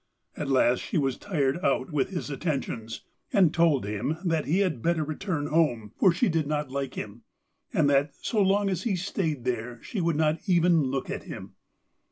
At last she was tired out with his attentions, and told him that he had better return home, for she did not like him, and that so long as he stayed there she would not even look at him.